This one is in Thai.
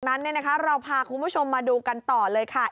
ดังนั้นเนี่ยนะคะเราพาคุณผู้ชมมาดูกันต่อเลยค่ะ